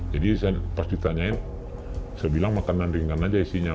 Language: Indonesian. jadi pas ditanyain saya bilang makanan ringan saja isinya